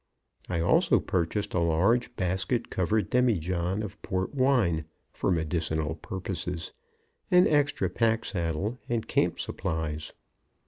I also purchased a large basket covered demijohn of port wine (for medicinal purposes), an extra pack saddle and camp supplies.